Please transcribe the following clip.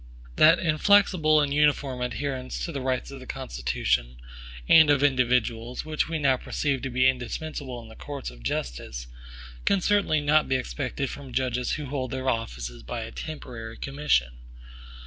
That inflexible and uniform adherence to the rights of the Constitution, and of individuals, which we perceive to be indispensable in the courts of justice, can certainly not be expected from judges who hold their offices by a temporary commission.